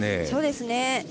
そうですね。